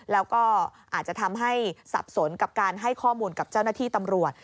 แล้วก็อาจจะทำให้สับสนกับการให้ข้อมูลกับเจ้าหน้าที่ตำรวจ